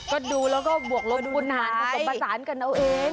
ก็ดูแล้วก็บวกลบคุณหารผสมผสานกันเอาเอง